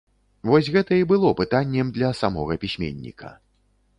Вось гэта і было пытаннем для самога пісьменніка.